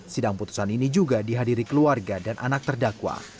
sidang putusan ini juga dihadiri keluarga dan anak terdakwa